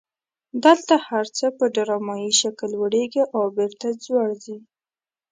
دلته هر څه په ډرامایي شکل لوړیږي او بیرته ځوړ خي.